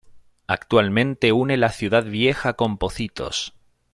Actualmente une la Ciudad Vieja con Pocitos.